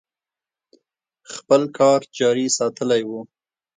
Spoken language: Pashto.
خپل کار جاري ساتلی و.